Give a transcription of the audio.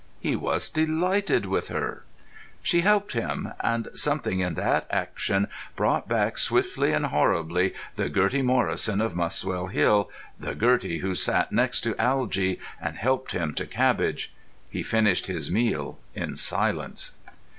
He was delighted with her. She helped him ... and something in that action brought back swiftly and horribly the Gertie Morrison of Muswell Hill, the Gertie who sat next to Algy and helped him to cabbage. He finished his meal in silence.